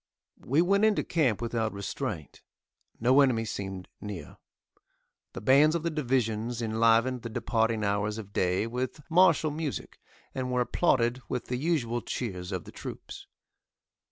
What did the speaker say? We went into camp without restraint. No enemy seemed near. The bands of the divisions enlivened the departing hours of day with martial music, and were applauded with the usual cheers of the troops.